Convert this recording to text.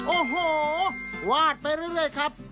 โอ้โหวาดไปเรื่อยครับ